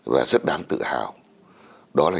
và rất đáng tự hào